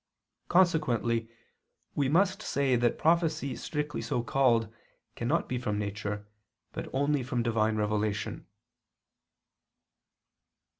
Consequently we must say that prophecy strictly so called cannot be from nature, but only from Divine revelation.